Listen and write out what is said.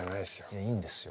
いやいいんですよ。